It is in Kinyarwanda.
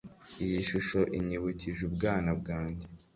iyi shusho inyibukije ubwana bwanjye